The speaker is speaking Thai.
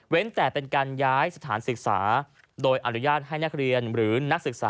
แต่เป็นการย้ายสถานศึกษาโดยอนุญาตให้นักเรียนหรือนักศึกษา